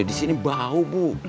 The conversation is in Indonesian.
disini bau bu